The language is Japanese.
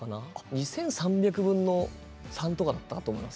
２３００分の３とかだったかと思います。